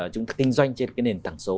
chúng ta kinh doanh trên cái nền tảng số